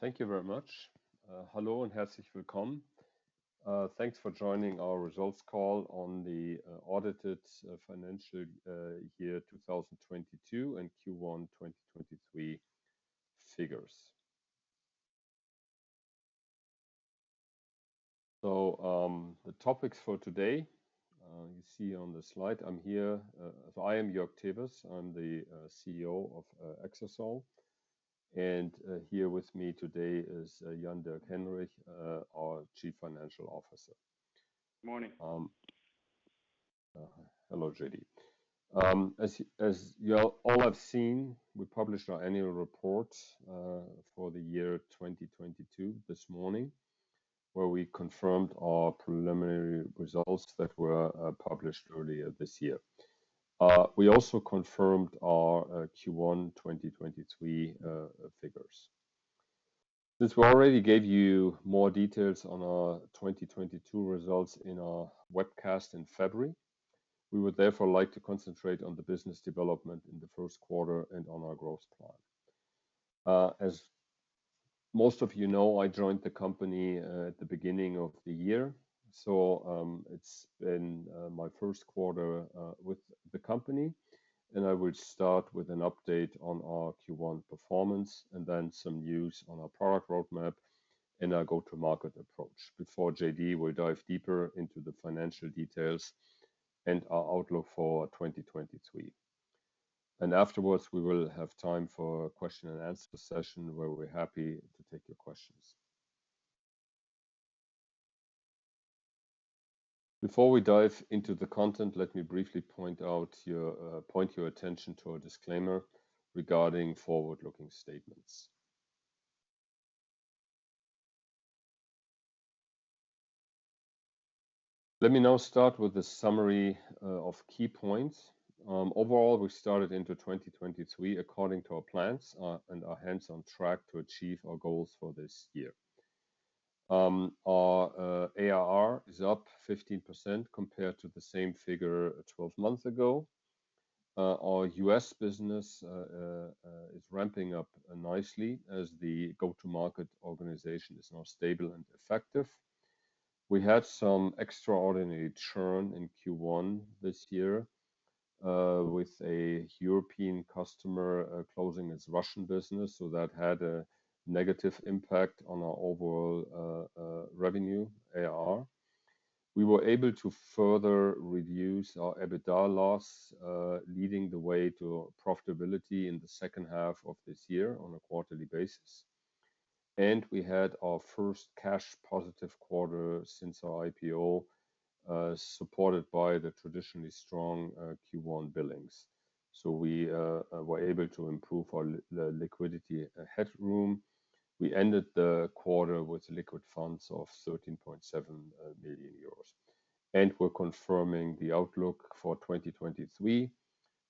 Thank you very much. Hello and herzlich willkommen. Thanks for joining our results call on the audited financial year 2022 and Q1 2023 figures. The topics for today, you see on the slide. I'm here. I am Jörg Tewes. I'm the CEO of Exasol. Here with me today is Jan-Dirk Henrich, our chief financial officer. Morning. Hello, JD. As you all have seen, we published our annual report for the year 2022 this morning, where we confirmed our preliminary results that were published earlier this year. We also confirmed our Q1 2023 figures. Since we already gave you more details on our 2022 results in our webcast in February, we would therefore like to concentrate on the business development in the first quarter and on our growth plan. As most of you know, I joined the company at the beginning of the year, so it's been my first quarter with the company, and I will start with an update on our Q1 performance and then some news on our product roadmap and our go-to-market approach. Before JD will dive deeper into the financial details and our outlook for 2023. Afterwards, we will have time for a question and answer session where we're happy to take your questions. Before we dive into the content, let me briefly point your attention to our disclaimer regarding forward-looking statements. Let me now start with the summary of key points. Overall, we started into 2023 according to our plans and are hence on track to achieve our goals for this year. Our ARR is up 15% compared to the same figure 12 months ago. Our U.S. business is ramping up nicely as the go-to-market organization is now stable and effective. We had some extraordinary churn in Q1 this year, with a European customer closing its Russian business, that had a negative impact on our overall revenue, ARR. We were able to further reduce our EBITDA loss, leading the way to profitability in the second half of this year on a quarterly basis. We had our first cash positive quarter since our IPO, supported by the traditionally strong Q1 billings. We were able to improve our liquidity headroom. We ended the quarter with liquid funds of 13.7 million euros. We're confirming the outlook for 2023,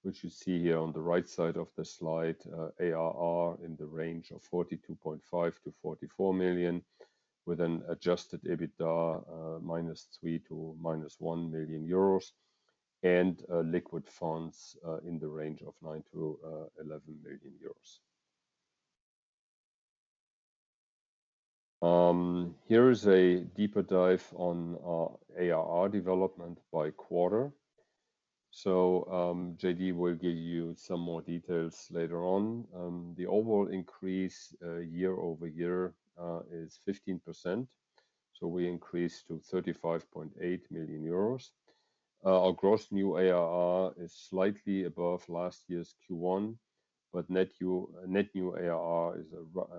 which you see here on the right side of the slide, ARR in the range of 42.5 million-44 million, with an adjusted EBITDA -3 million to -1 million euros and liquid funds in the range of 9 million-11 million euros. Here is a deeper dive on our ARR development by quarter. JD will give you some more details later on. The overall increase year-over-year is 15%. We increased to 35.8 million euros. Our gross new ARR is slightly above last year's Q1, but net new ARR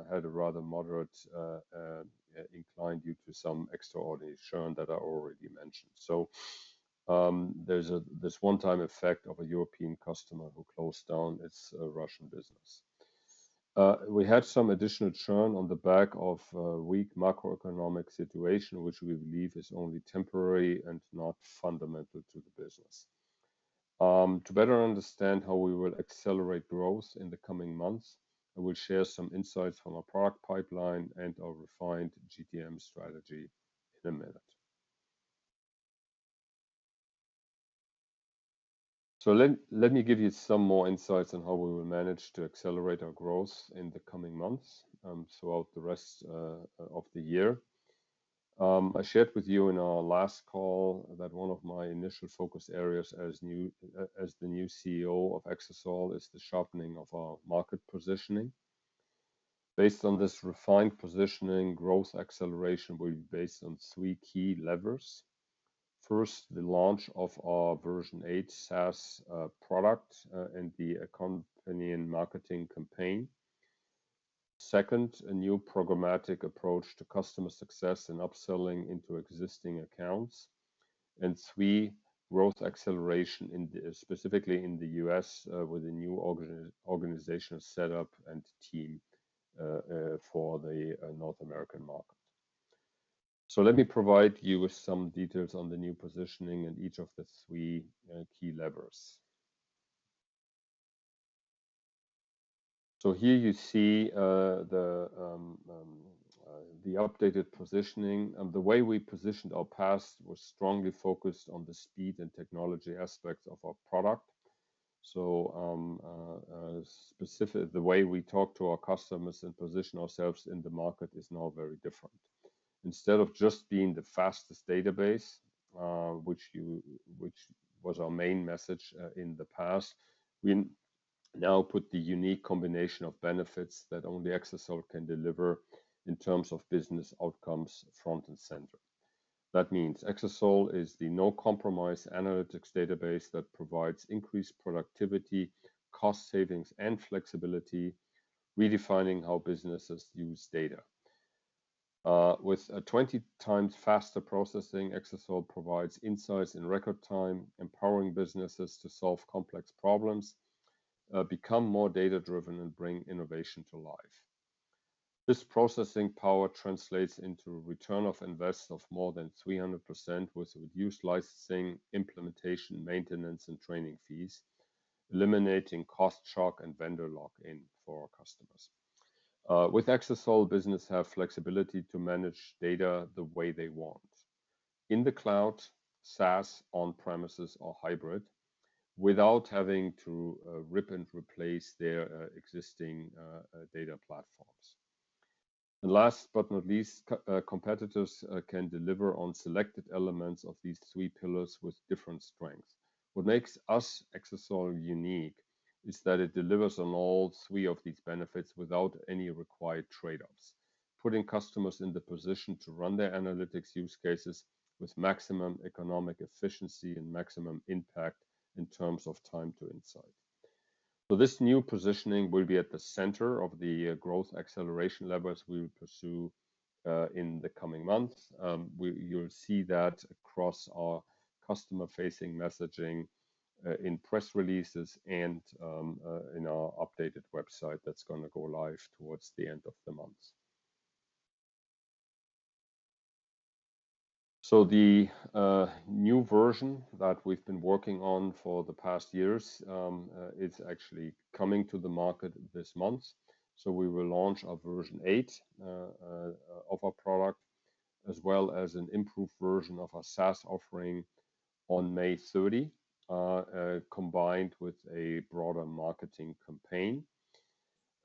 had a rather moderate incline due to some extraordinary churn that I already mentioned. There's this one-time effect of a European customer who closed down its Russian business. We had some additional churn on the back of a weak macroeconomic situation, which we believe is only temporary and not fundamental to the business. To better understand how we will accelerate growth in the coming months, I will share some insights from our product pipeline and our refined GTM strategy in a minute. Let me give you some more insights on how we will manage to accelerate our growth in the coming months throughout the rest of the year. I shared with you in our last call that one of my initial focus areas as the new CEO of Exasol is the sharpening of our market positioning. Based on this refined positioning, growth acceleration will be based on three key levers. First, the launch of our version 8 SaaS product and the accompanying marketing campaign. Second, a new programmatic approach to customer success and upselling into existing accounts. Three, growth acceleration in the specifically in the US with a new organizational setup and team for the North American market. Let me provide you with some details on the new positioning and each of the 3 key levers. Here you see the updated positioning and the way we positioned our past was strongly focused on the speed and technology aspects of our product. Specifically, the way we talk to our customers and position ourselves in the market is now very different. Instead of just being the fastest database, which was our main message in the past, we now put the unique combination of benefits that only Exasol can deliver in terms of business outcomes front and center. That means Exasol is the no-compromise analytics database that provides increased productivity, cost savings, and flexibility, redefining how businesses use data. With a 20 times faster processing, Exasol provides insights in record time, empowering businesses to solve complex problems, become more data-driven, and bring innovation to life. This processing power translates into a return of invest of more than 300% with reduced licensing, implementation, maintenance, and training fees, eliminating cost shock and vendor lock-in for our customers. With Exasol, business have flexibility to manage data the way they want. In the cloud, SaaS, on-premises or hybrid, without having to rip and replace their existing data platforms. Last but not least, competitors can deliver on selected elements of these three pillars with different strengths. What makes us, Exasol, unique is that it delivers on all three of these benefits without any required trade-offs, putting customers in the position to run their analytics use cases with maximum economic efficiency and maximum impact in terms of time to insight. This new positioning will be at the center of the growth acceleration levers we will pursue in the coming months. You'll see that across our customer-facing messaging in press releases and in our updated website that's gonna go live towards the end of the month. The new version that we've been working on for the past years, it's actually coming to the market this month. We will launch our version 8 of our product, as well as an improved version of our SaaS offering on May 30, combined with a broader marketing campaign.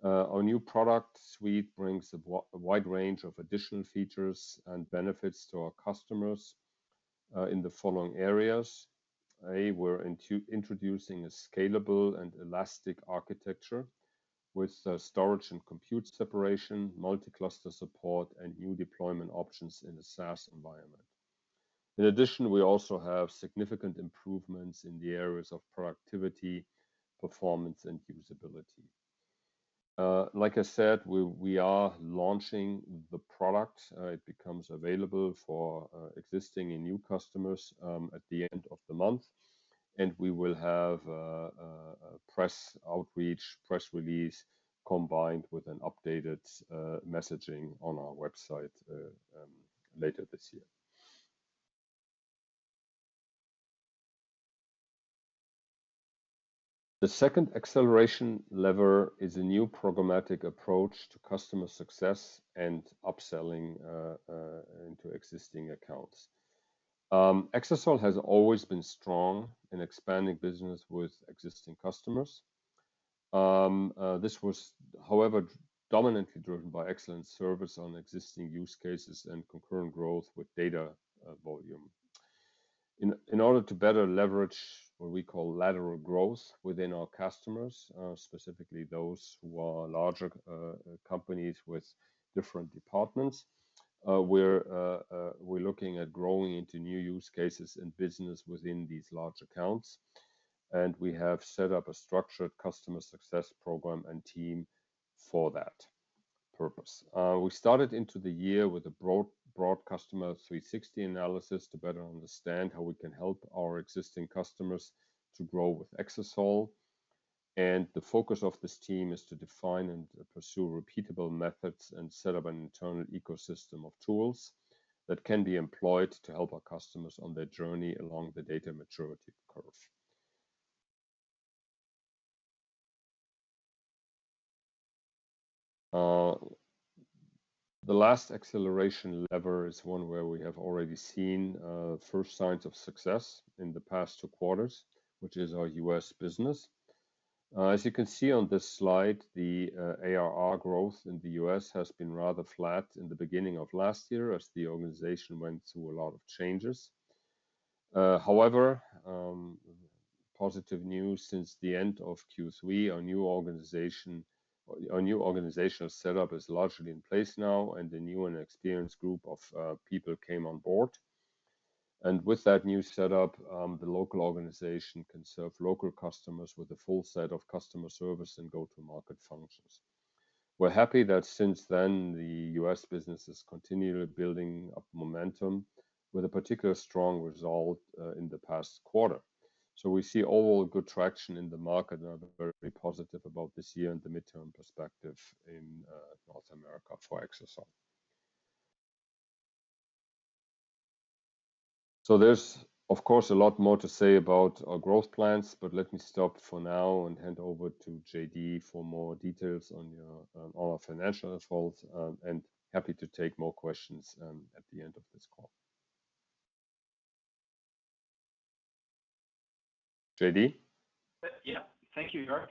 Our new product suite brings a wide range of additional features and benefits to our customers in the following areas. A, we're introducing a scalable and elastic architecture with storage and compute separation, multi-cluster support, and new deployment options in a SaaS environment. In addition, we also have significant improvements in the areas of productivity, performance, and usability. Like I said, we are launching the product. It becomes available for existing and new customers at the end of the month. We will have press outreach, press release, combined with an updated messaging on our website later this year. The second acceleration lever is a new programmatic approach to customer success and upselling into existing accounts. Exasol has always been strong in expanding business with existing customers. This was, however, dominantly driven by excellent service on existing use cases and concurrent growth with data volume. In order to better leverage what we call lateral growth within our customers, specifically those who are larger companies with different departments, we're looking at growing into new use cases and business within these large accounts, and we have set up a structured customer success program and team for that purpose. We started into the year with a broad Customer 360 analysis to better understand how we can help our existing customers to grow with Exasol. The focus of this team is to define and pursue repeatable methods and set up an internal ecosystem of tools that can be employed to help our customers on their journey along the data maturity curve. The last acceleration lever is one where we have already seen first signs of success in the past 2 quarters, which is our U.S. business. As you can see on this slide, the ARR growth in the U.S. has been rather flat in the beginning of last year as the organization went through a lot of changes. However, positive news since the end of Q3, our new organizational setup is largely in place now, and the new and experienced group of people came on board. With that new setup, the local organization can serve local customers with a full set of customer service and go-to-market functions. We're happy that since then, the U.S. business is continually building up momentum with a particular strong result in the past quarter. We see overall good traction in the market and are very positive about this year and the midterm perspective in North America for Exasol. There's of course a lot more to say about our growth plans, but let me stop for now and hand over to JD for more details on our financial results and happy to take more questions at the end of this call. JD? Yeah. Thank you, Jörg.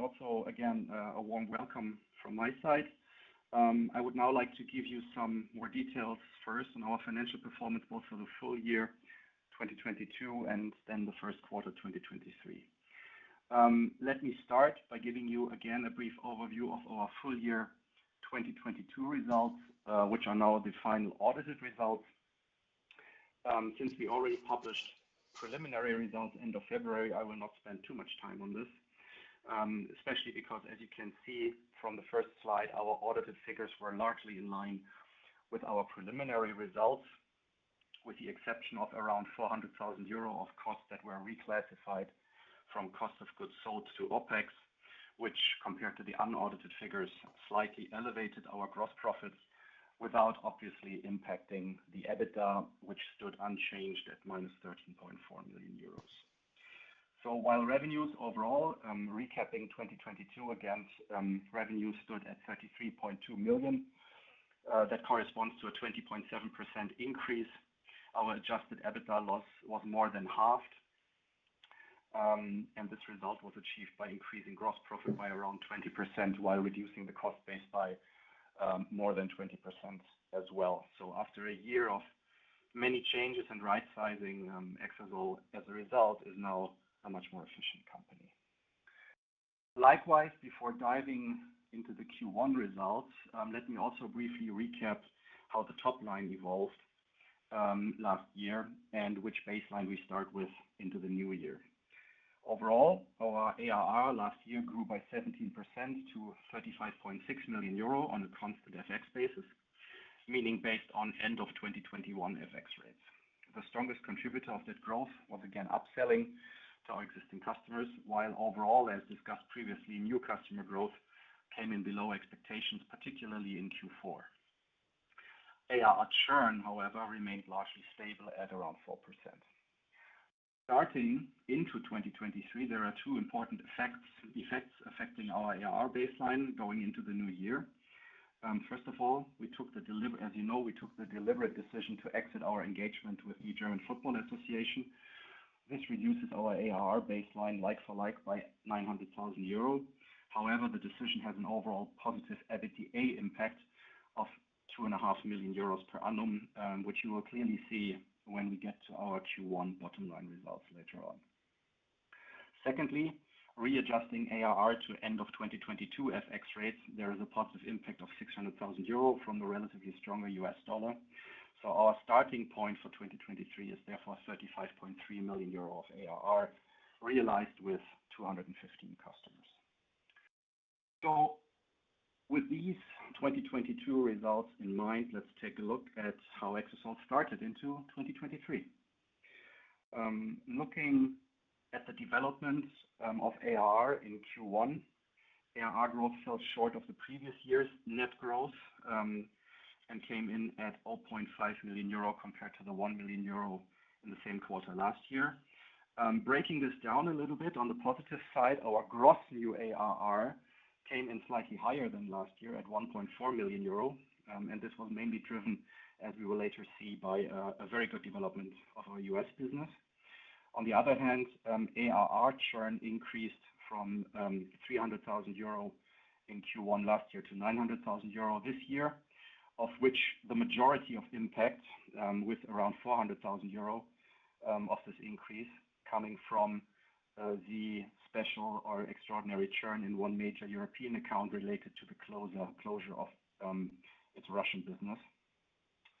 Also again, a warm welcome from my side. I would now like to give you some more details first on our financial performance, both for the full year 2022, and then the first quarter 2023. Let me start by giving you again a brief overview of our full year 2022 results, which are now the final audited results. Since we already published preliminary results end of February, I will not spend too much time on this, especially because as you can see from the first slide, our audited figures were largely in line with our preliminary results, with the exception of around 400,000 euro of costs that were reclassified from cost of goods sold to OpEx, which compared to the unaudited figures, slightly elevated our gross profits without obviously impacting the EBITDA, which stood unchanged at minus 13.4 million euros. While revenues overall, recapping 2022, again, revenues stood at 33.2 million, that corresponds to a 20.7% increase. Our adjusted EBITDA loss was more than halved, this result was achieved by increasing gross profit by around 20% while reducing the cost base by more than 20% as well. After a year of many changes in right-sizing, Exasol as a result is now a much more efficient company. Likewise, before diving into the Q1 results, let me also briefly recap how the top line evolved last year and which baseline we start with into the new year. Overall, our ARR last year grew by 17% to 35.6 million euro on a constant currency basis, meaning based on end of 2021 FX rates. The strongest contributor of that growth was again upselling to our existing customers, while overall, as discussed previously, new customer growth came in below expectations, particularly in Q4. ARR churn, however, remained largely stable at around 4%. Starting into 2023, there are two important effects affecting our ARR baseline going into the new year. First of all, we took the deliberate decision to exit our engagement with the German Football Association. This reduces our ARR baseline like for like by 900,000 euros. However, the decision has an overall positive EBITDA impact of two and a half million EUR per annum, which you will clearly see when we get to our Q1 bottom line results later on. Secondly, readjusting ARR to end of 2022 FX rates, there is a positive impact of 600,000 euro from the relatively stronger US dollar. Our starting point for 2023 is therefore 35.3 million euros of ARR realized with 215 customers. With these 2022 results in mind, let's take a look at how Exasol started into 2023. Looking at the development of ARR in Q1, ARR growth fell short of the previous year's net growth and came in at 0.5 million euro compared to 1 million euro in the same quarter last year. Breaking this down a little bit, on the positive side, our gross new ARR came in slightly higher than last year at 1.4 million euro, and this was mainly driven, as we will later see, by a very good development of our U.S. business. On the other hand, ARR churn increased from 300,000 euro in Q1 last year to 900,000 euro this year, of which the majority of impact, with around 400,000 euro of this increase coming from the special or extraordinary churn in one major European account related to the closure of its Russian business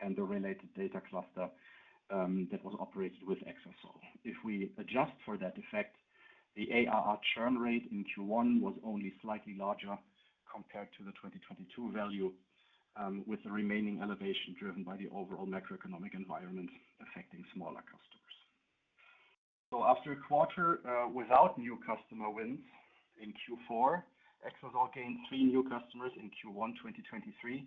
and the related data cluster that was operated with Exasol. If we adjust for that effect, the ARR churn rate in Q1 was only slightly larger compared to the 2022 value, with the remaining elevation driven by the overall macroeconomic environment affecting smaller customers. After a quarter, without new customer wins in Q4, Exasol gained three new customers in Q1, 2023.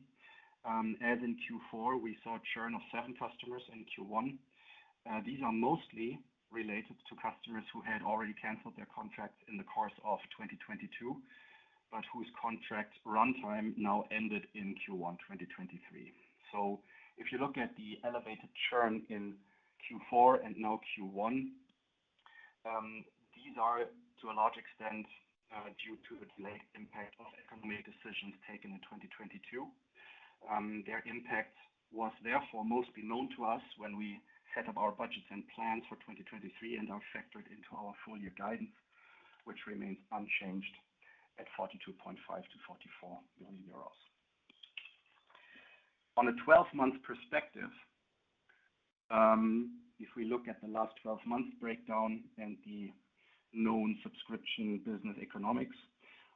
As in Q4, we saw churn of seven customers in Q1. These are mostly related to customers who had already canceled their contract in the course of 2022, but whose contract runtime now ended in Q1 2023. If you look at the elevated churn in Q4 and now Q1, these are, to a large extent, due to a delayed impact of economic decisions taken in 2022. Their impact was therefore mostly known to us when we set up our budgets and plans for 2023 and are factored into our full year guidance, which remains unchanged at 42.5 million-44 million euros. On a 12-month perspective, if we look at the last 12 months breakdown and the known subscription business economics,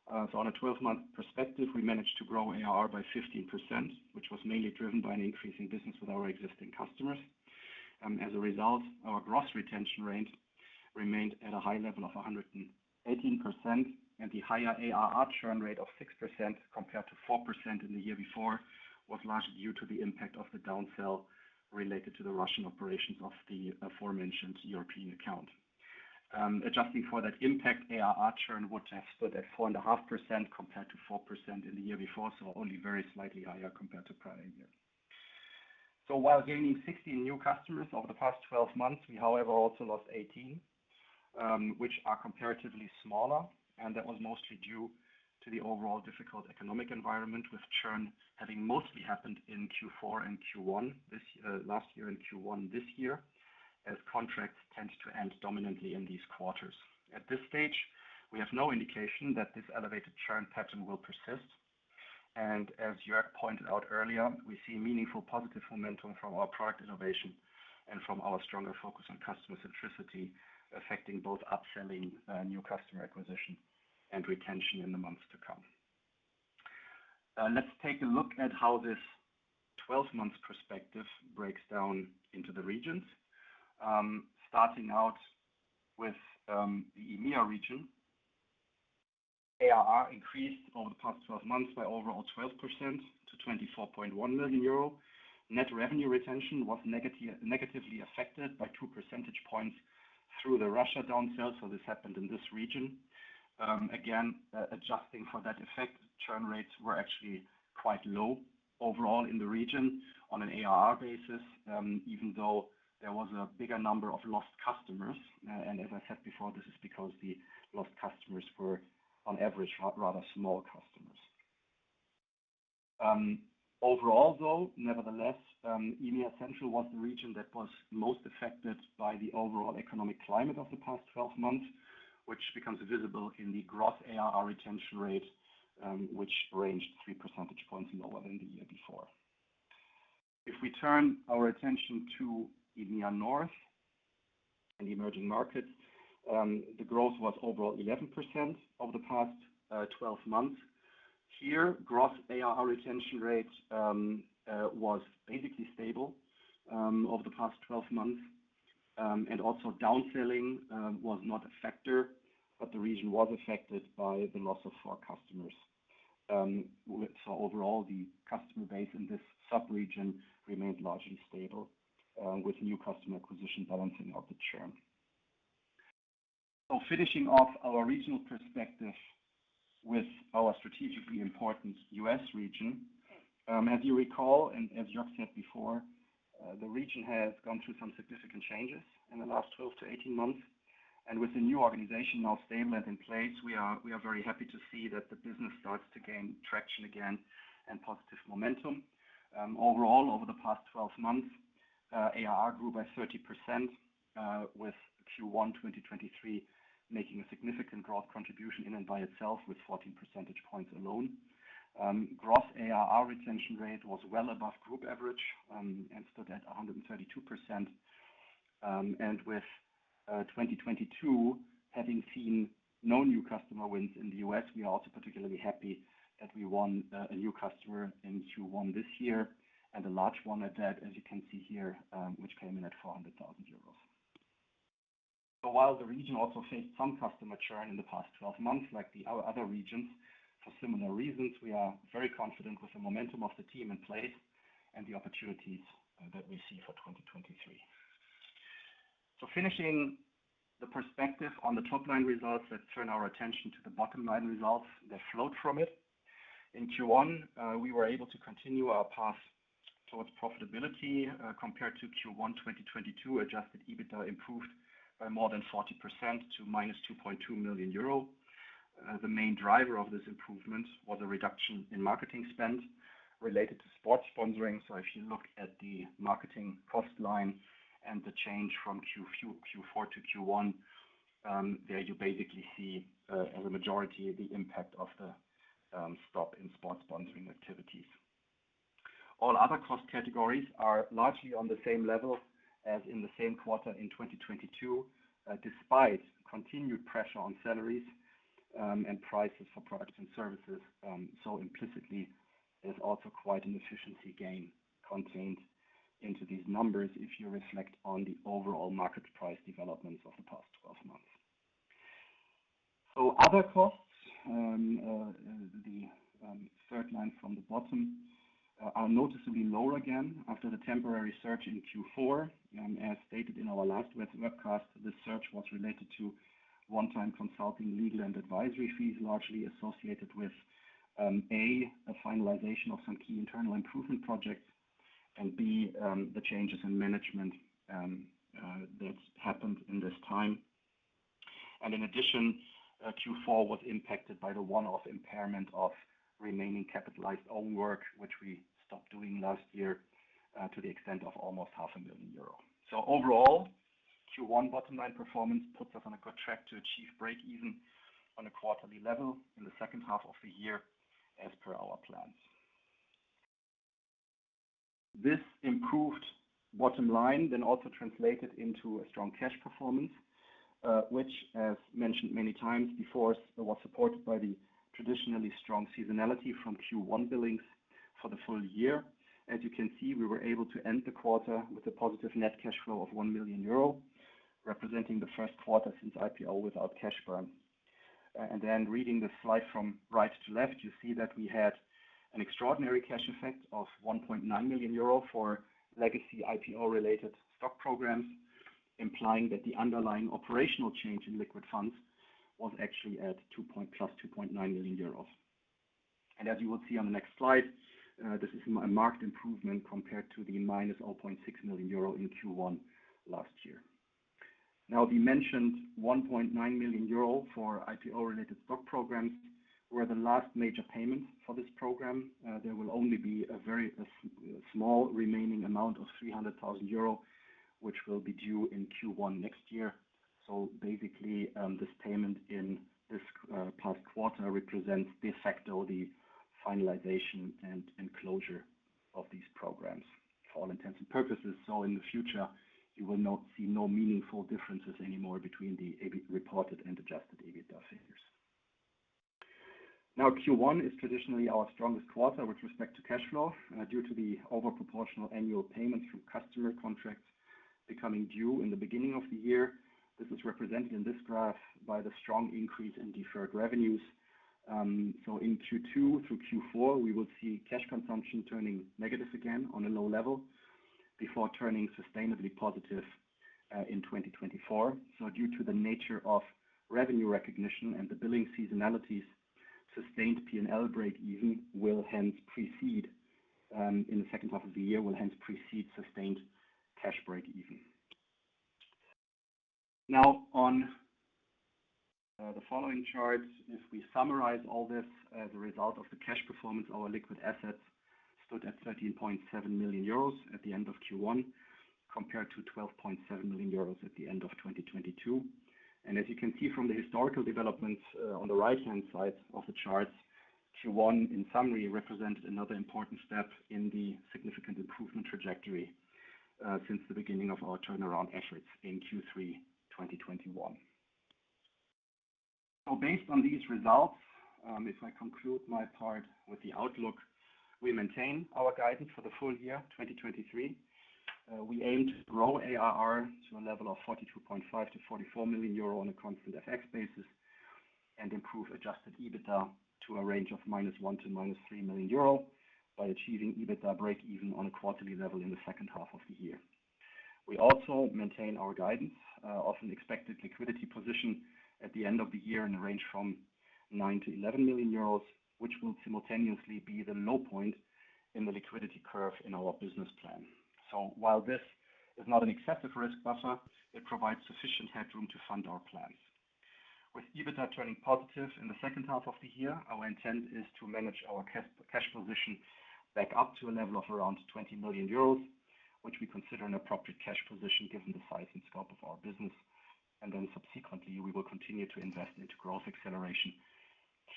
on a 12-month perspective, we managed to grow ARR by 15%, which was mainly driven by an increase in business with our existing customers. As a result, our gross retention rate remained at a high level of 118%, and the higher ARR churn rate of 6% compared to 4% in the year before was largely due to the impact of the downsell related to the Russian operations of the aforementioned European account. Adjusting for that impact, ARR churn would have stood at 4.5% compared to 4% in the year before, only very slightly higher compared to prior year. While gaining 16 new customers over the past 12 months, we however, also lost 18, which are comparatively smaller, and that was mostly due to the overall difficult economic environment, with churn having mostly happened in Q4 and Q1 this year, last year and Q1 this year, as contracts tend to end dominantly in these quarters. At this stage, we have no indication that this elevated churn pattern will persist. As Jörg pointed out earlier, we see meaningful positive momentum from our product innovation and from our stronger focus on customer centricity, affecting both upselling, new customer acquisition and retention in the months to come. Let's take a look at how this 12-month perspective breaks down into the regions. Starting out with the EMEA region. ARR increased over the past 12 months by overall 12% to 24.1 million euro. Net revenue retention was negatively affected by 2 percentage points through the Russia downsell, so this happened in this region. Again, adjusting for that effect, churn rates were actually quite low overall in the region on an ARR basis, even though there was a bigger number of lost customers. As I said before, this is because the lost customers were, on average, rather small customers. Overall though, nevertheless, EMEA Central was the region that was most affected by the overall economic climate of the past 12 months, which becomes visible in the gross ARR retention rate, which ranged 3 percentage points lower than the year before. If we turn our attention to EMEA North and the emerging markets, the growth was overall 11% over the past 12 months. Here, gross ARR retention rates was basically stable over the past 12 months. Also downselling was not a factor, but the region was affected by the loss of 4 customers. Overall, the customer base in this sub-region remained largely stable with new customer acquisition balancing out the churn. Finishing off our regional perspective with our strategically important U.S. region. As you recall, and as Jörg said before, the region has gone through some significant changes in the last 12 to 18 months. With the new organization now stable and in place, we are very happy to see that the business starts to gain traction again and positive momentum. Overall, over the past 12 months, ARR grew by 30%, with Q1-2023 making a significant growth contribution in and by itself with 14 percentage points alone. Gross ARR retention rate was well above group average and stood at 132%. With 2022 having seen no new customer wins in the U.S., we are also particularly happy that we won a new customer in Q1 this year, and a large one at that, as you can see here, which came in at 400,000 euros. While the region also faced some customer churn in the past 12 months, like the other regions, for similar reasons, we are very confident with the momentum of the team in place and the opportunities that we see for 2023. Finishing the perspective on the top-line results, let's turn our attention to the bottom-line results that flowed from it. In Q1, we were able to continue our path towards profitability. Compared to Q1-2022, adjusted EBITDA improved by more than 40% to minus 2.2 million euro. The main driver of this improvement was a reduction in marketing spend related to sports sponsoring. If you look at the marketing cost line and the change from Q4 to Q1, there you basically see as a majority of the impact of the stop in sports sponsoring activities. All other cost categories are largely on the same level as in the same quarter in 2022, despite continued pressure on salaries and prices for products and services. Implicitly, there's also quite an efficiency gain contained into these numbers if you reflect on the overall market price developments of the past 12 months. Other costs, the third line from the bottom, are noticeably lower again after the temporary surge in Q4. As stated in our last webcast, the surge was related to one-time consulting, legal and advisory fees, largely associated with A, a finalization of some key internal improvement projects, and B, the changes in management that's happened in this time. In addition, Q4 was impacted by the one-off impairment of remaining capitalized own work, which we stopped doing last year, to the extent of almost half a million EUR. Overall, Q1 bottom line performance puts us on a good track to achieve break even on a quarterly level in the second half of the year as per our plans. This improved bottom line then also translated into a strong cash performance, which as mentioned many times before, was supported by the traditionally strong seasonality from Q1 billings. For the full year, as you can see, we were able to end the quarter with a positive net cash flow of 1 million euro, representing the first quarter since IPO without cash burn. Reading the slide from right to left, you see that we had an extraordinary cash effect of 1.9 million euro for legacy IPO-related stock programs, implying that the underlying operational change in liquid funds was actually at +2.9 million euros. As you will see on the next slide, this is a marked improvement compared to the -0.6 million euro in Q1 last year. The mentioned 1.9 million euro for IPO-related stock programs were the last major payments for this program. There will only be a very small remaining amount of 300,000 euro, which will be due in Q1 next year. Basically, this payment in this past quarter represents de facto the finalization and closure of these programs for all intents and purposes. In the future, you will not see no meaningful differences anymore between the EBIT reported and adjusted EBITDA figures. Q1 is traditionally our strongest quarter with respect to cash flow, due to the over proportional annual payment through customer contracts becoming due in the beginning of the year. This is represented in this graph by the strong increase in deferred revenues. In Q2 through Q4, we will see cash consumption turning negative again on a low level before turning sustainably positive in 2024. Due to the nature of revenue recognition and the billing seasonalities, sustained P&L breakeven will hence precede in the second half of the year, will hence precede sustained cash breakeven. The following charts, if we summarize all this as a result of the cash performance, our liquid assets stood at 13.7 million euros at the end of Q1, compared to 12.7 million euros at the end of 2022. As you can see from the historical developments on the right-hand side of the charts, Q1, in summary, represented another important step in the significant improvement trajectory since the beginning of our turnaround efforts in Q3 2021. Based on these results, if I conclude my part with the outlook, we maintain our guidance for the full year 2023. We aim to grow ARR to a level of 42.5 million-44 million euro on a constant currency basis and improve adjusted EBITDA to a range of -1 million--3 million euro by achieving EBITDA breakeven on a quarterly level in the second half of the year. We also maintain our guidance of an expected liquidity position at the end of the year in the range from 9 million-11 million euros, which will simultaneously be the low point in the liquidity curve in our business plan. While this is not an excessive risk buffer, it provides sufficient headroom to fund our plans. With EBITDA turning positive in the second half of the year, our intent is to manage our cash position back up to a level of around 20 million euros, which we consider an appropriate cash position given the size and scope of our business. Subsequently, we will continue to invest into growth acceleration,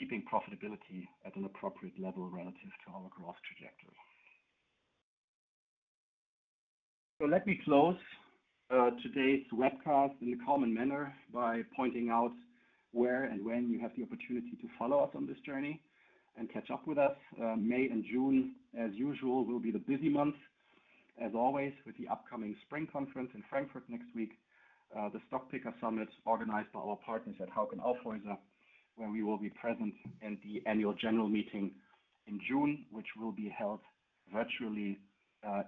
keeping profitability at an appropriate level relative to our growth trajectory. Let me close today's webcast in the common manner by pointing out where and when you have the opportunity to follow us on this journey and catch up with us. May and June, as usual, will be the busy months, as always, with the upcoming spring conference in Frankfurt next week, the Stock Picker Summit organized by our partners at Hauck & Aufhäuser, where we will be present, and the annual general meeting in June, which will be held virtually,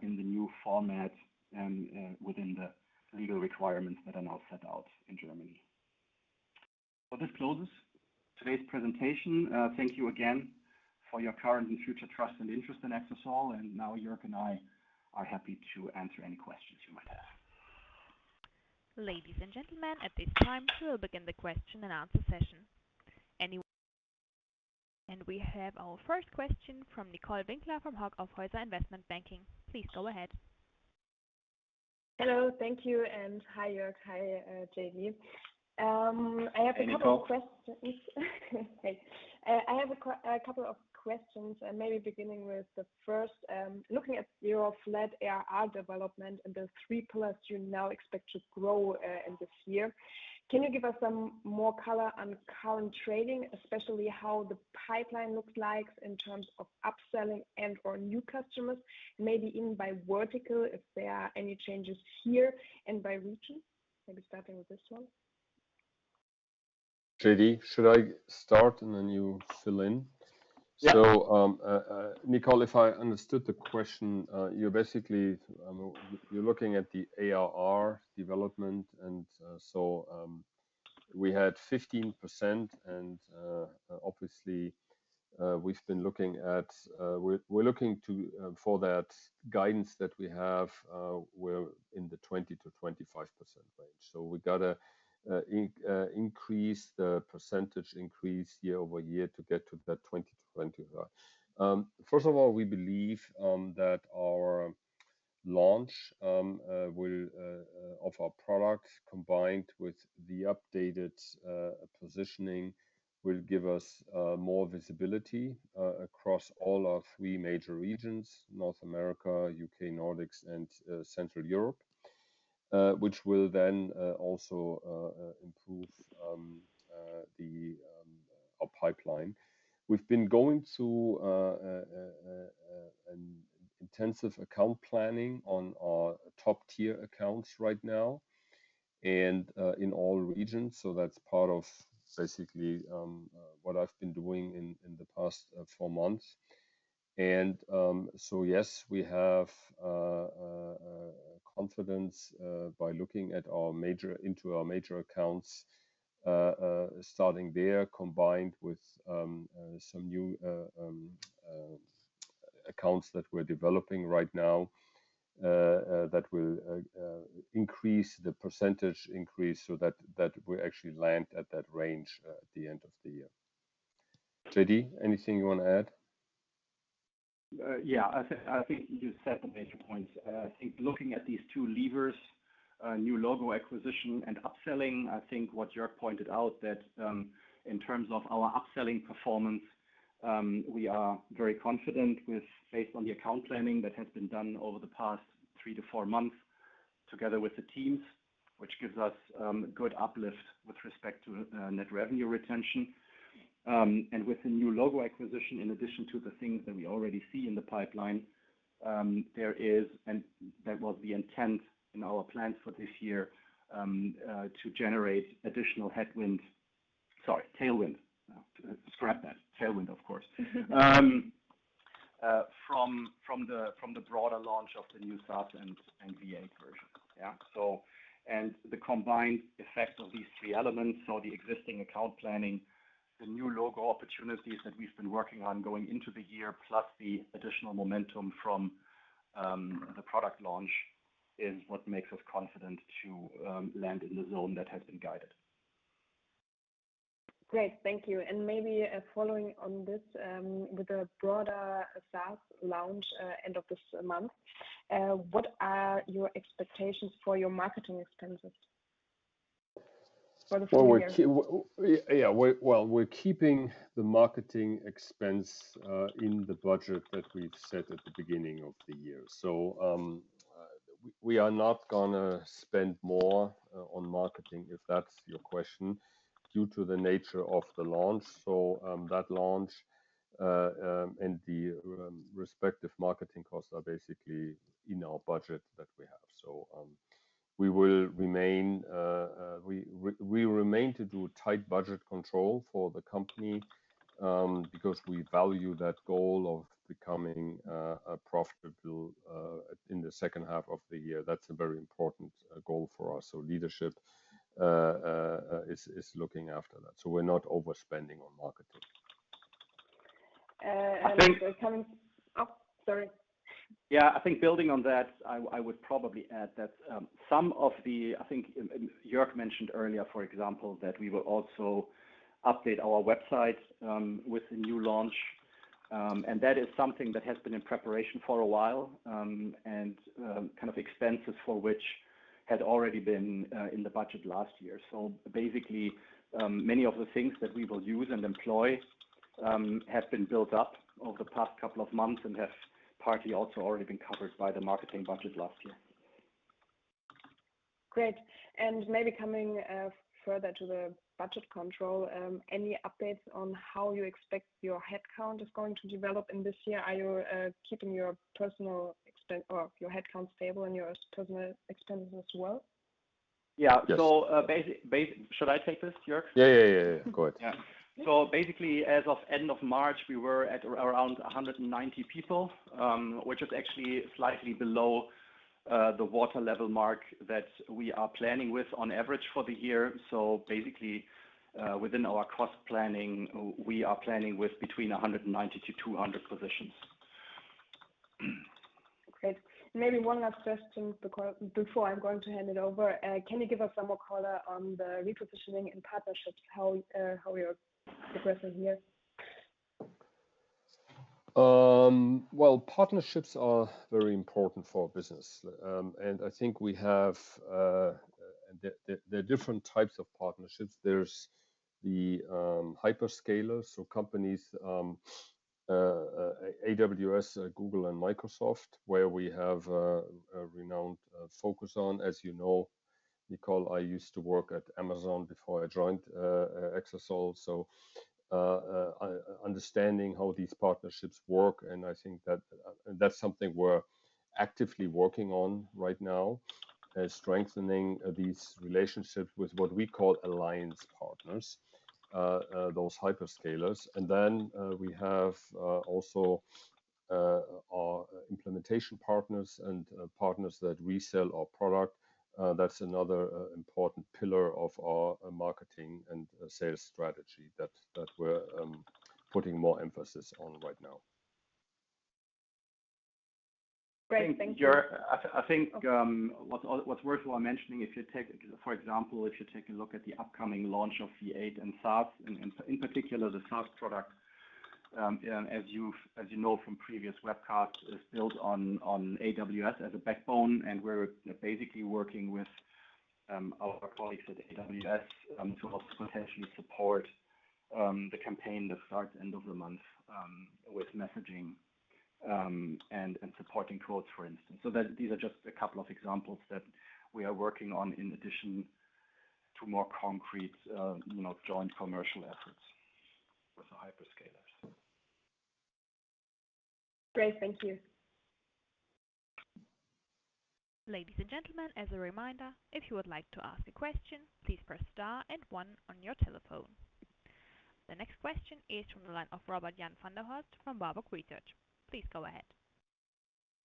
in the new format and within the legal requirements that are now set out in Germany. This closes today's presentation. Thank you again for your current and future trust and interest in Exasol. Now Jörg and I are happy to answer any questions you might have. Ladies and gentlemen, at this time, we will begin the question and answer session. We have our first question from Nicole Winkler from Hauck Aufhäuser Investment Banking. Please go ahead. Hello. Thank you. Hi, Jörg. Hi, JD. Hey, Nicole. -of questions. Hey. I have a couple of questions and maybe beginning with the first, looking at your flat ARR development and the three pillars you now expect to grow in this year, can you give us some more color on current trading, especially how the pipeline looks like in terms of upselling and/or new customers, maybe even by vertical, if there are any changes here and by region? Maybe starting with this one. JD, should I start and then you fill in? Yeah. Nicole, if I understood the question, you're basically, you're looking at the ARR development. We had 15% and, obviously, we've been looking at, we're looking to, for that guidance that we have, we're in the 20%-25% range. We gotta increase the percentage increase year-over-year to get to that 20 to 20. First of all, we believe that our launch of our products combined with the updated positioning will give us more visibility across all our three major regions, North America, UK, Nordics, and Central Europe. Which will then also improve the our pipeline. We've been going through an intensive account planning on our top-tier accounts right now and in all regions. That's part of basically what I've been doing in the past four months. Yes, we have confidence by looking into our major accounts starting there, combined with some new accounts that we're developing right now that will increase the percentage increase, so that we actually land at that range at the end of the year. JD, anything you want to add? Yeah. I think you said the major points. I think looking at these two levers, new logo acquisition and upselling, I think what Jörg pointed out that in terms of our upselling performance, we are very confident with based on the account planning that has been done over the past three to four months, together with the teams, which gives us good uplift with respect to net revenue retention. With the new logo acquisition, in addition to the things that we already see in the pipeline, there is, and that was the intent in our plans for this year, to generate additional headwind... Sorry, tailwind. Scrap that. Tailwind, of course, from the broader launch of the new SaaS and V8 version. Yeah. The combined effect of these three elements or the existing account planning, the new logo opportunities that we've been working on going into the year, plus the additional momentum from the product launch, is what makes us confident to land in the zone that has been guided. Great. Thank you. Maybe, following on this, with the broader SaaS launch, end of this month, what are your expectations for your marketing expenses for the full year? Well, we're keeping the marketing expense in the budget that we've set at the beginning of the year. We are not gonna spend more on marketing, if that's your question, due to the nature of the launch. That launch and the respective marketing costs are basically in our budget that we have. We will remain to do tight budget control for the company because we value that goal of becoming profitable in the second half of the year. That's a very important goal for us. Leadership is looking after that. We're not overspending on marketing. coming- I think- Oh, sorry. Yeah. I think building on that, I would probably add that some of the, I think Jörg mentioned earlier, for example, that we will also update our website with the new launch. That is something that has been in preparation for a while, and kind of expenses for which had already been in the budget last year. Basically, many of the things that we will use and employ have been built up over the past couple of months and have partly also already been covered by the marketing budget last year. Great. Maybe coming further to the budget control, any updates on how you expect your headcount is going to develop in this year? Are you keeping your personal or your headcount stable and your personal expenses as well? Yeah. Yes. Should I take this, Jörg? Yeah, yeah. Go ahead. Yeah. Basically, as of end of March, we were at around 190 people, which is actually slightly below the water level mark that we are planning with on average for the year. Basically, within our cost planning, we are planning with between 190-200 positions. Great. Maybe one last question before I'm going to hand it over. Can you give us some more color on the repositioning and partnerships, how you're progressing here? Well, partnerships are very important for our business. I think we have, there are different types of partnerships. There's the hyperscalers, so companies, AWS, Google and Microsoft, where we have a renowned focus on. As you know, Nicole, I used to work at Amazon before I joined Exasol, so understanding how these partnerships work, and I think that that's something we're actively working on right now, strengthening these relationships with what we call alliance partners, those hyperscalers. Then we have also our implementation partners and partners that resell our product. That's another important pillar of our marketing and sales strategy that we're putting more emphasis on right now. Great. Thank you. I think, Jörg, I think, what's worthwhile mentioning, if you take, for example, if you take a look at the upcoming launch of V8 and SaaS, in particular the SaaS product, as you've, as you know from previous webcasts, is built on AWS as a backbone, and we're basically working with our colleagues at AWS to help potentially support the campaign that starts end of the month with messaging and supporting quotes, for instance. These are just a couple of examples that we are working on in addition to more concrete, you know, joint commercial efforts with the hyperscalers. Great. Thank you. Ladies and gentlemen, as a reminder, if you would like to ask a question, please press star and one on your telephone. The next question is from the line of Robert-Jan van der Horst from Warburg Research. Please go ahead.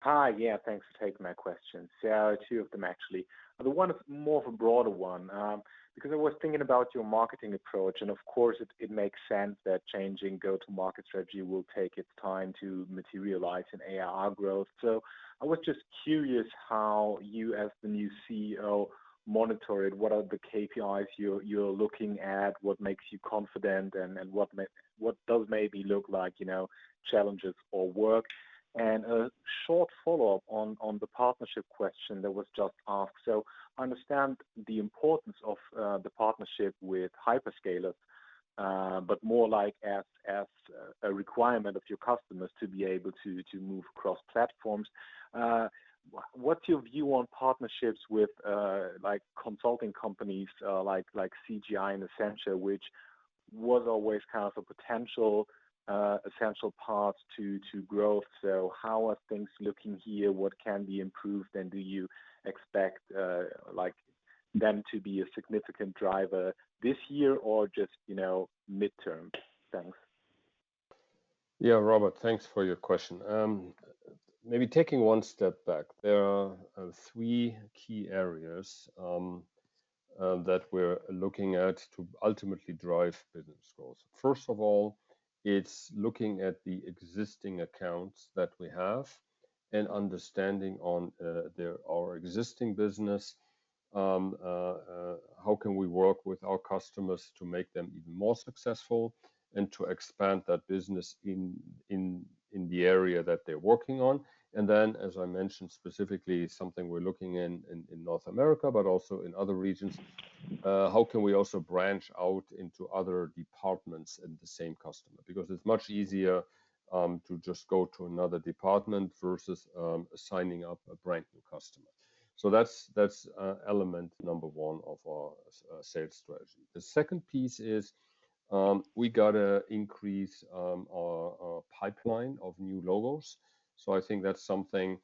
Hi. Yeah, thanks for taking my question. Yeah, two of them actually. The one is more of a broader one, because I was thinking about your marketing approach, and of course, it makes sense that changing go-to-market strategy will take its time to materialize in ARR growth. I was just curious how you as the new CEO monitor it. What are the KPIs you're looking at? What makes you confident and what those maybe look like, you know, challenges or work? A short follow-up on the partnership question that was just asked. I understand the importance of the partnership with hyperscalers, but more like as a requirement of your customers to be able to move across platforms. What's your view on partnerships with like consulting companies like CGI and Accenture, which was always kind of a potential essential path to growth. How are things looking here? What can be improved? Do you expect like them to be a significant driver this year or just, you know, midterm? Thanks. Yeah, Robert, thanks for your question. Maybe taking one step back, there are three key areas that we're looking at to ultimately drive business goals. First of all, it's looking at the existing accounts that we have and understanding on our existing business. How can we work with our customers to make them even more successful and to expand that business in the area that they're working on? Then, as I mentioned specifically, something we're looking in North America, but also in other regions, how can we also branch out into other departments in the same customer? Because it's much easier to just go to another department versus signing up a brand new customer. That's element number one of our sales strategy. The second piece is, we got to increase, our pipeline of new logos. I think that's something,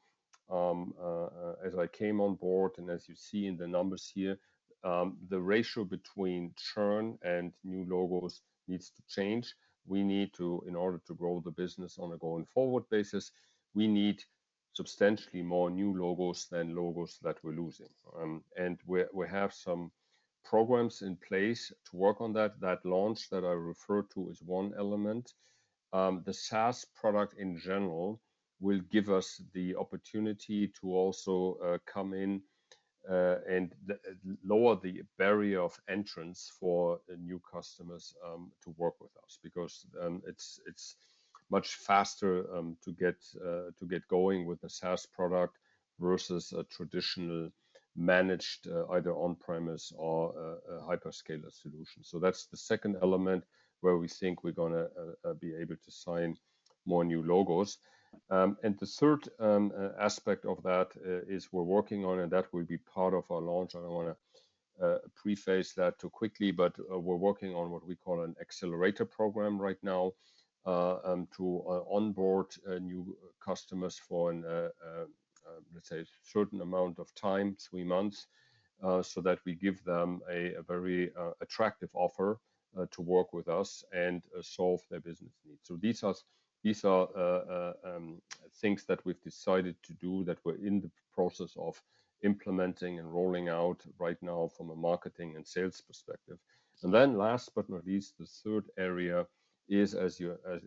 as I came on board and as you see in the numbers here, the ratio between churn and new logos needs to change. We need to, in order to grow the business on a going forward basis, we need substantially more new logos than logos that we're losing. We have some programs in place to work on that. That launch that I referred to is one element. The SaaS product in general will give us the opportunity to also come in and lower the barrier of entrance for new customers to work with us because it's much faster to get going with a SaaS product versus a traditional managed either on-premise or a hyperscaler solution. That's the second element where we think we're gonna be able to sign more new logos. The third aspect of that is we're working on, and that will be part of our launch, and I want to preface that too quickly. hat we call an Accelerator Program right now to onboard new customers for an let's say certain amount of time, 3 months, so that we give them a very attractive offer to work with us and solve their business needs. These are things that we've decided to do that we're in the process of implementing and rolling out right now from a marketing and sales perspective. Last but not least, the third area is as your, as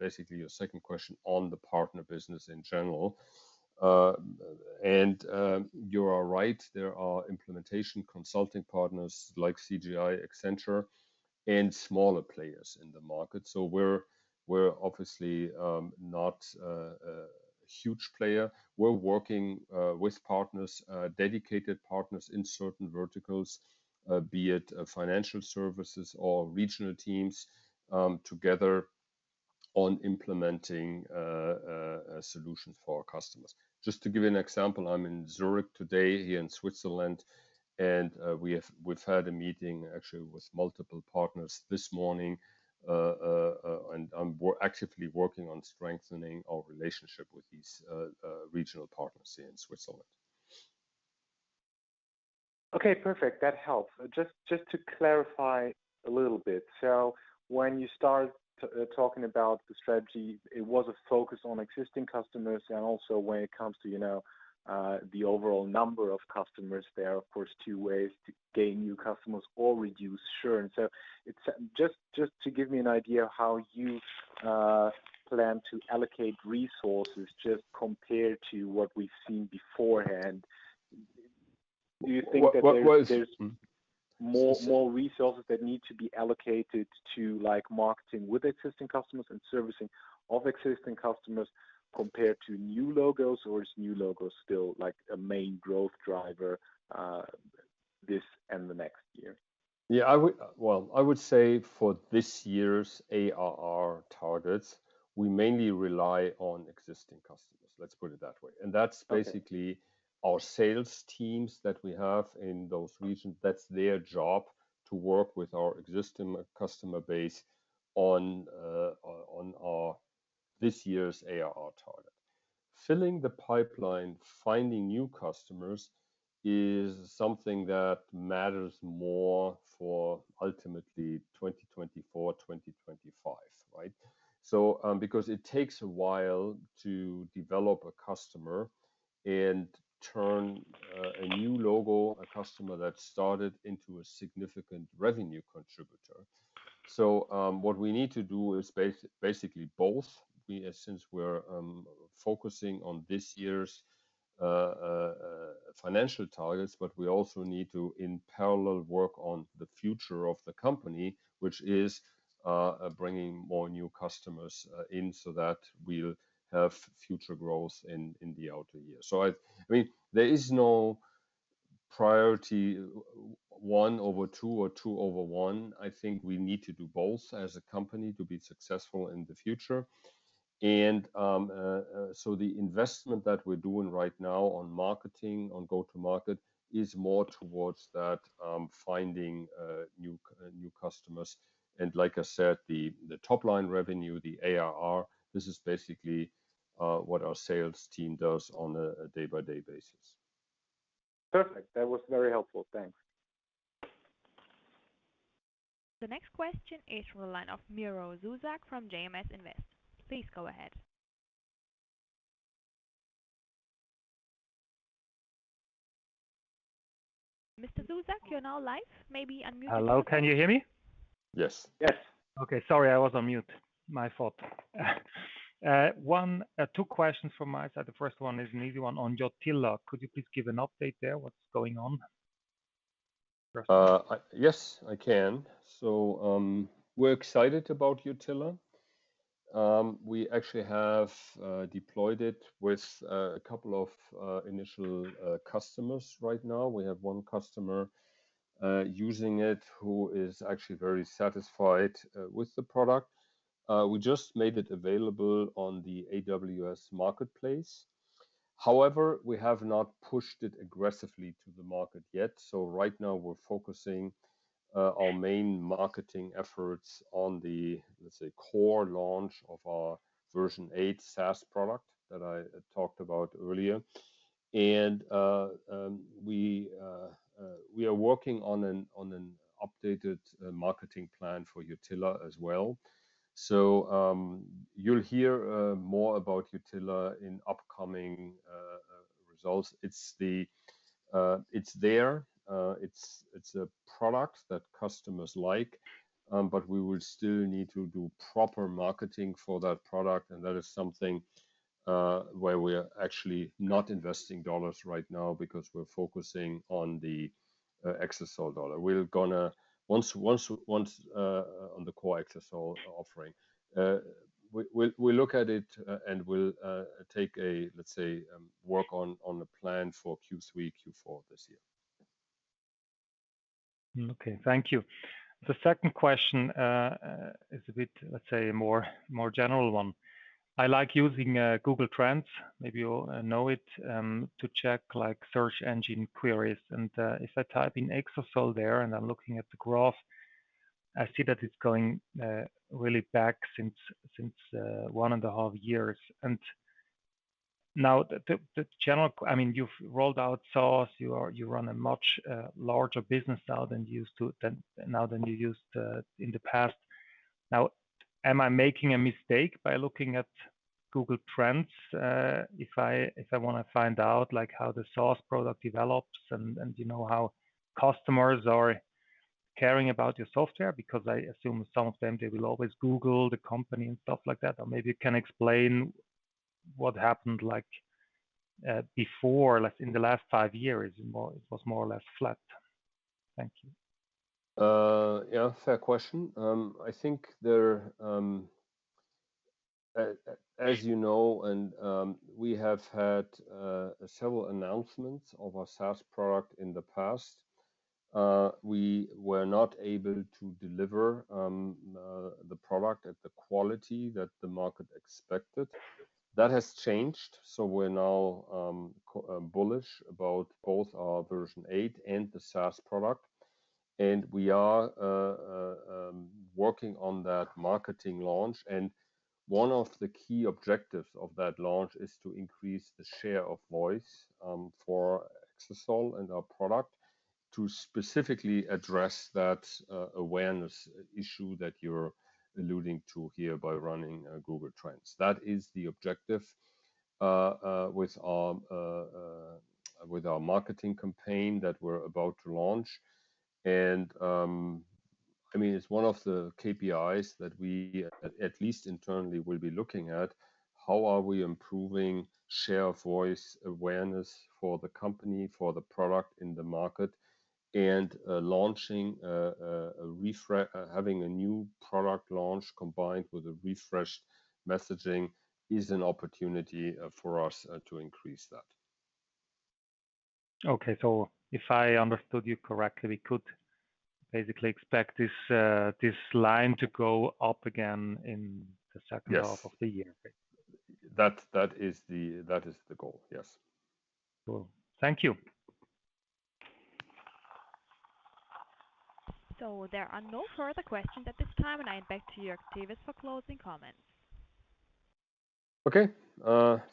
basically your second question on the partner business in general. You are right, there are implementation consulting partners like CGI, Accenture, and smaller players in the market. We're obviously not a huge player. We're working with partners, dedicated partners in certain verticals, be it financial services or regional teams, together on implementing a solution for our customers. Just to give you an example, I'm in Zurich today, here in Switzerland, and we've had a meeting actually with multiple partners this morning, and we're actively working on strengthening our relationship with these regional partners here in Switzerland. Okay, perfect. That helps. Just to clarify a little bit. When you start talking about the strategy, it was a focus on existing customers. Also when it comes to, you know, the overall number of customers, there are of course two ways to gain new customers or reduce churn. Just to give me an idea of how you plan to allocate resources just compared to what we've seen beforehand. Do you think that more resources that need to be allocated to like marketing with existing customers and servicing of existing customers compared to new logos, or is new logos still like a main growth driver, this and the next year? Yeah. I would say for this year's ARR targets, we mainly rely on existing customers, let's put it that way. Okay. That's basically our sales teams that we have in those regions. That's their job to work with our existing customer base on our this year's ARR target. Filling the pipeline, finding new customers is something that matters more for ultimately 2024, 2025, right? Because it takes a while to develop a customer and turn a new logo, a customer that started, into a significant revenue contributor. What we need to do is basically both. Since we're focusing on this year's financial targets, but we also need to in parallel work on the future of the company, which is bringing more new customers in so that we'll have future growth in the outer year. I mean, there is no priority one over two or two over one. I think we need to do both as a company to be successful in the future. The investment that we're doing right now on marketing, on go-to-market is more towards that, finding new customers. Like I said, the top line revenue, the ARR, this is basically what our sales team does on a day-by-day basis. Perfect. That was very helpful. Thanks. The next question is from the line of Miro Zuzak from JMS Invest. Please go ahead. Mr. Zuzak, you're now live. Maybe unmute- Hello, can you hear me? Yes. Yes. Okay. Sorry, I was on mute. My fault. One, two questions from my side. The first one is an easy one on Utila. Could you please give an update there? What's going on? Yes, I can. We're excited about Utila. We actually have deployed it with a couple of initial customers right now. We have one customer using it who is actually very satisfied with the product. We just made it available on the AWS Marketplace. However, we have not pushed it aggressively to the market yet. Right now we're focusing our main marketing efforts on the, let's say, core launch of our Exasol 8 SaaS product that I talked about earlier. We are working on an updated marketing plan for Utila as well. You'll hear more about Utila in upcoming results. It's there. It's a product that customers like. We will still need to do proper marketing for that product. That is something where we're actually not investing dollars right now because we're focusing on the Exasol dollar. Once on the core Exasol offering. We'll look at it and we'll take a, let's say, work on a plan for Q3, Q4 this year. Okay. Thank you. The second question is a bit, let's say more, more general one. I like using Google Trends, maybe you know it, to check like search engine queries. If I type in Exasol there and I'm looking at the graph, I see that it's going really back since one and a half years. Now the general... I mean, you've rolled out SaaS, you run a much larger business now than you used in the past. Now, am I making a mistake by looking at Google Trends, if I, if I wanna find out like how the SaaS product develops and, you know, how customers are caring about your software? I assume some of them, they will always Google the company and stuff like that. Maybe you can explain what happened like, before, like in the last five years, it was more or less flat. Thank you. Yeah, fair question. I think there, as you know, and we have had several announcements of our SaaS product in the past. We were not able to deliver the product at the quality that the market expected. That has changed. We're now bullish about both our Exasol 8 and the SaaS product. We are working on that marketing launch, and one of the key objectives of that launch is to increase the share of voice for Exasol and our product to specifically address that awareness issue that you're alluding to here by running a Google Trends. That is the objective with our marketing campaign that we're about to launch. I mean, it's one of the KPIs that we at least internally will be looking at how are we improving share of voice awareness for the company, for the product in the market. Launching, having a new product launch combined with a refreshed messaging is an opportunity for us to increase that. If I understood you correctly, we could basically expect this line to go up again in the second. Yes half of the year. That is the goal. Yes. Cool. Thank you. There are no further questions at this time, and I go back to Jan-Dirk Henrich for closing comments. Okay.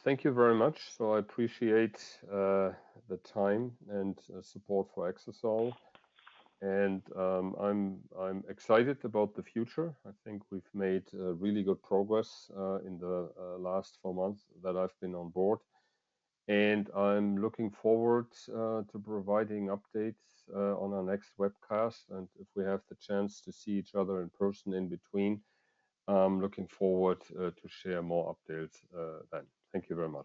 Thank you very much. I appreciate the time and support for Exasol. I'm excited about the future. I think we've made really good progress in the last four months that I've been on board. I'm looking forward to providing updates on our next webcast. If we have the chance to see each other in person in between, I'm looking forward to share more updates then. Thank you very much.